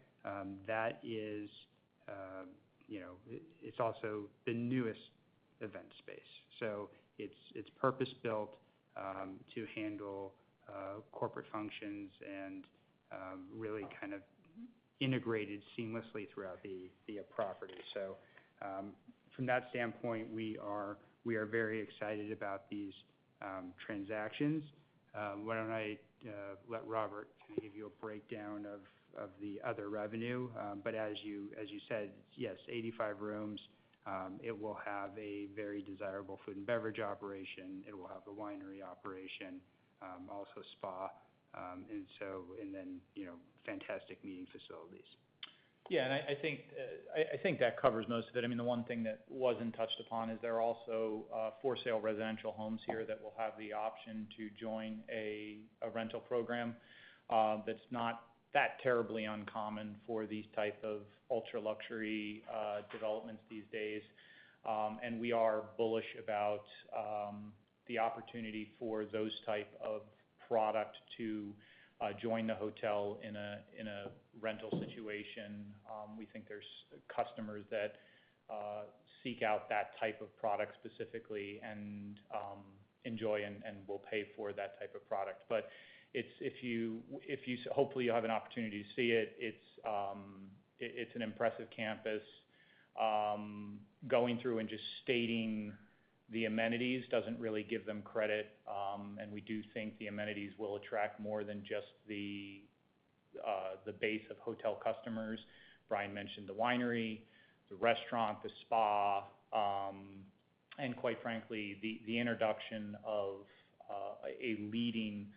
That is, you know, it's also the newest event space, so it's purpose-built to handle corporate functions and really kind of integrated seamlessly throughout the property. From that standpoint, we are very excited about these transactions. Why don't I let Robert give you a breakdown of the other revenue? But as you said, yes, 85 rooms. It will have a very desirable food and beverage operation. It will have a winery operation, also spa, and so, and then, you know, fantastic meeting facilities. I think that covers most of it. I mean, the one thing that wasn't touched upon is there are also for sale residential homes here that will have the option to join a rental program that's not that terribly uncommon for these type of ultra-luxury developments these days. We are bullish about the opportunity for those type of product to join the hotel in a rental situation. We think there's customers that seek out that type of product specifically and enjoy and will pay for that type of product. Hopefully, you'll have an opportunity to see it. It's an impressive campus. Going through and just stating the amenities doesn't really give them credit, and we do think the amenities will attract more than just the base of hotel customers. Bryan mentioned the winery, the restaurant, the spa, and quite frankly, the introduction of a leading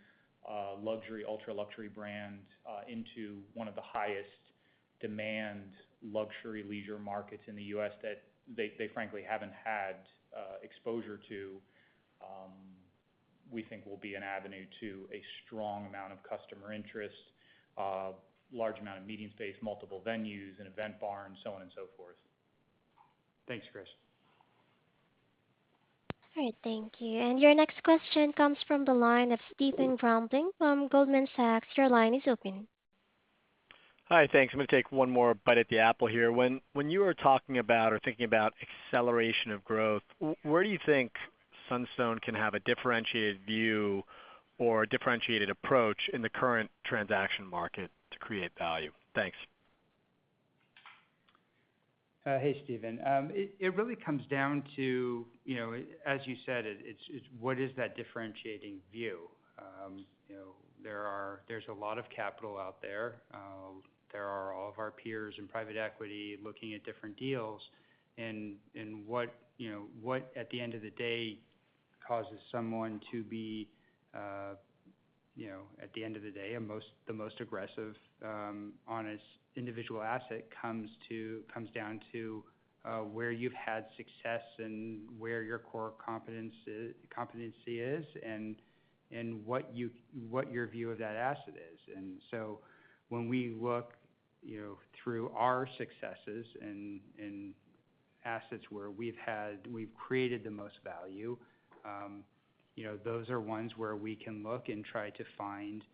luxury, ultra-luxury brand into one of the highest demand luxury leisure markets in the U.S. that they frankly haven't had exposure to. We think it will be an avenue to a strong amount of customer interest, large amount of meeting space, multiple venues, an event barn, so on and so forth. Thanks, Chris. All right, thank you. Your next question comes from the line of Stephen Grambling from Goldman Sachs. Your line is open. Hi, thanks. I'm gonna take one more bite at the apple here. When you were talking about or thinking about acceleration of growth, where do you think Sunstone can have a differentiated view or a differentiated approach in the current transaction market to create value? Thanks. Hey, Stephen. It really comes down to, you know, as you said, it's what is that differentiating view? You know, there's a lot of capital out there. There are all of our peers in private equity looking at different deals and what, you know, what at the end of the day causes someone to be the most aggressive on a single asset comes down to where you've had success and where your core competency is and what your view of that asset is. When we look, you know, through our successes in assets where we've had We've created the most value, you know, those are ones where we can look and try to find,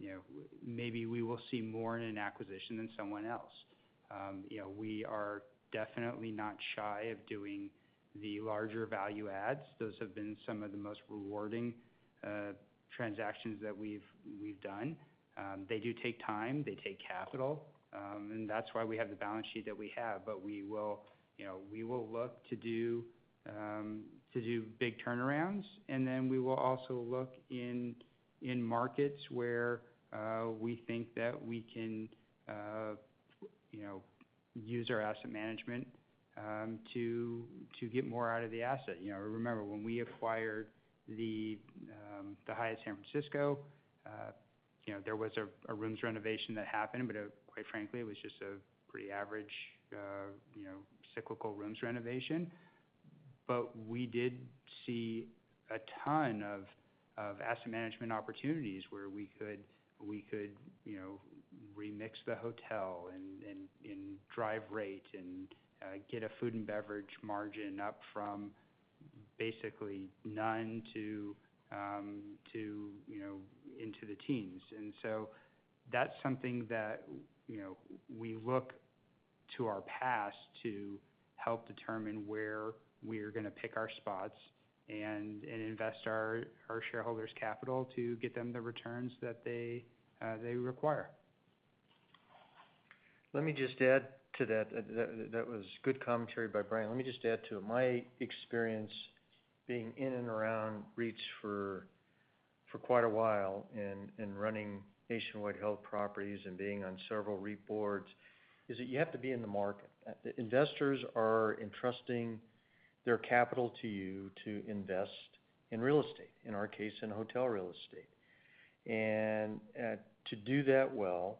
you know, maybe we will see more in an acquisition than someone else. You know, we are definitely not shy of doing the larger value adds. Those have been some of the most rewarding transactions that we've done. They do take time, they take capital, and that's why we have the balance sheet that we have. We will, you know, we will look to do big turnarounds, and then we will also look in markets where we think that we can, you know, use our asset management to get more out of the asset. You know, remember, when we acquired the Hyatt San Francisco, you know, there was a rooms renovation that happened, but it, quite frankly, was just a pretty average, you know, cyclical rooms renovation. We did see a ton of asset management opportunities where we could, you know, remix the hotel and drive rate and get a food and beverage margin up from basically none to, you know, into the teens. That's something that, you know, we look to our past to help determine where we're gonna pick our spots and invest our shareholders' capital to get them the returns that they require. Let me just add to that. That was good commentary by Bryan. Let me just add to it. My experience being in and around REITs for quite a while and running nationwide held properties and being on several REIT boards is that you have to be in the market. The investors are entrusting their capital to you to invest in real estate. In our case, in hotel real estate. To do that well,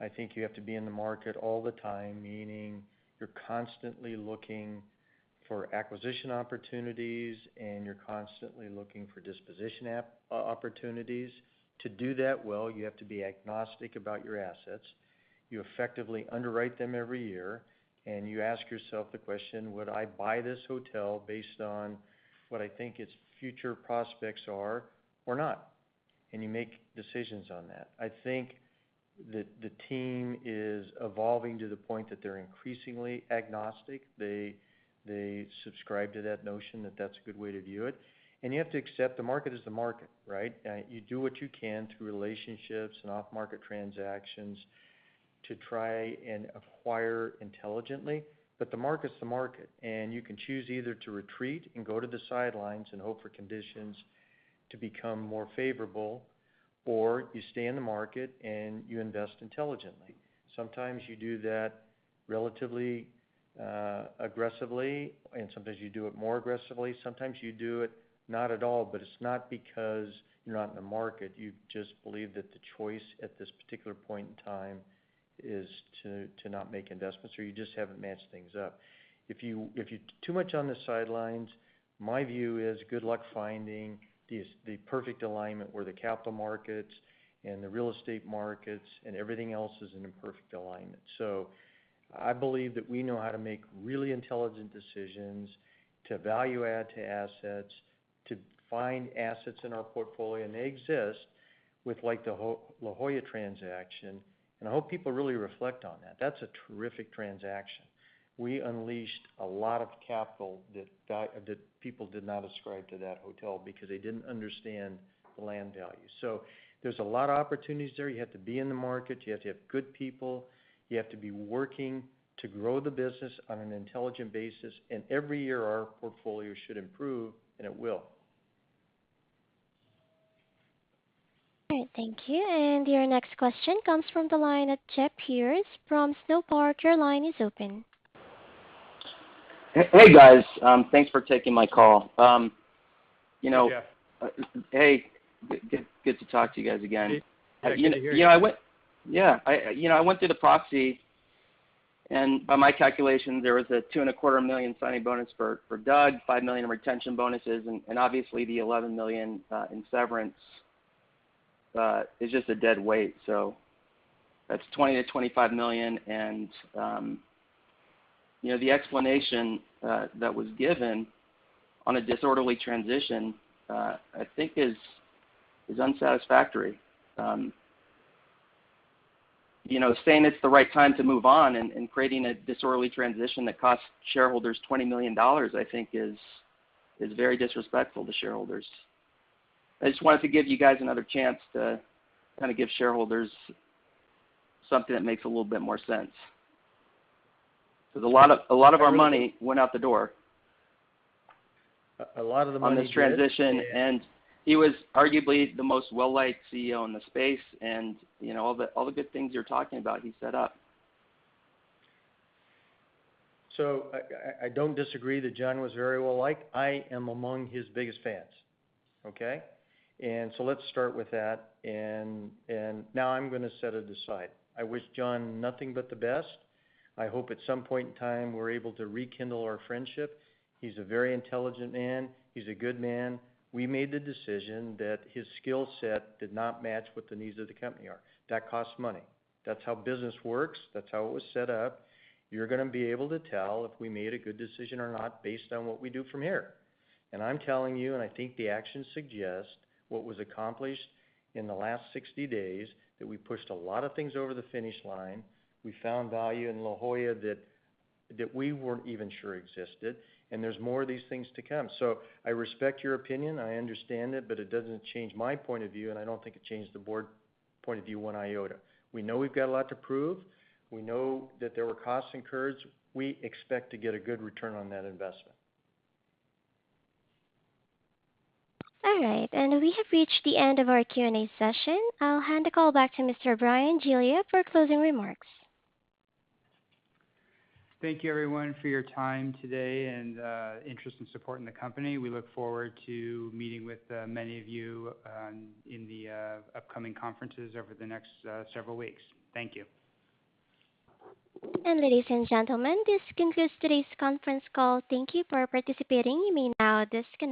I think you have to be in the market all the time, meaning you're constantly looking for acquisition opportunities, and you're constantly looking for disposition opportunities. To do that well, you have to be agnostic about your assets. You effectively underwrite them every year, and you ask yourself the question, would I buy this hotel based on what I think its future prospects are or not? You make decisions on that. I think the team is evolving to the point that they're increasingly agnostic. They subscribe to that notion that that's a good way to view it. You have to accept the market is the market, right? You do what you can through relationships and off-market transactions to try and acquire intelligently, but the market's the market, and you can choose either to retreat and go to the sidelines and hope for conditions to become more favorable, or you stay in the market and you invest intelligently. Sometimes you do that relatively, aggressively, and sometimes you do it more aggressively. Sometimes you do it not at all, but it's not because you're not in the market. You just believe that the choice at this particular point in time is to not make investments, or you just haven't matched things up. If you're too much on the sidelines, my view is good luck finding the perfect alignment where the capital markets and the real estate markets and everything else is in a perfect alignment. I believe that we know how to make really intelligent decisions to value add to assets, to find assets in our portfolio, and they exist with like the La Jolla transaction, and I hope people really reflect on that. That's a terrific transaction. We unleashed a lot of capital that people did not ascribe to that hotel because they didn't understand the land value. There's a lot of opportunities there. You have to be in the market. You have to have good people. You have to be working to grow the business on an intelligent basis, and every year, our portfolio should improve, and it will. All right. Thank you. Your next question comes from the line of Jeff Pierce from Snow Park. Your line is open. Hey, guys. Thanks for taking my call. You know. Hey, Jeff. Hey, good to talk to you guys again. Good to hear you. You know, I went through the proxy and by my calculation, there was a $2.25 million signing bonus for Doug, $5 million in retention bonuses, and obviously, the $11 million in severance is just a dead weight. That's $20 million-$25 million and, you know, the explanation that was given on a disorderly transition I think is unsatisfactory. You know, saying it's the right time to move on and creating a disorderly transition that costs shareholders $20 million, I think is very disrespectful to shareholders. I just wanted to give you guys another chance to kinda give shareholders something that makes a little bit more sense. 'Cause a lot of our money went out the door. A lot of the money did, yeah. On this transition, and he was arguably the most well-liked CEO in the space, and you know, all the good things you're talking about, he set up. I don't disagree that John was very well-liked. I am among his biggest fans, okay? Let's start with that. Now, I'm gonna set it aside. I wish John nothing but the best. I hope at some point in time, we're able to rekindle our friendship. He's a very intelligent man. He's a good man. We made the decision that his skill set did not match what the needs of the company are. That costs money. That's how business works. That's how it was set up. You're gonna be able to tell if we made a good decision or not based on what we do from here. I'm telling you, and I think the actions suggest what was accomplished in the last 60 days, that we pushed a lot of things over the finish line. We found value in La Jolla that we weren't even sure existed, and there's more of these things to come. I respect your opinion, I understand it, but it doesn't change my point of view, and I don't think it changed the board point of view one iota. We know we've got a lot to prove. We know that there were costs incurred. We expect to get a good return on that investment. All right. We have reached the end of our Q&A session. I'll hand the call back to Mr. Bryan Giglia for closing remarks. Thank you, everyone, for your time today and interest and support in the company. We look forward to meeting with many of you in the upcoming conferences over the next several weeks. Thank you. Ladies and gentlemen, this concludes today's conference call. Thank you for participating. You may now disconnect.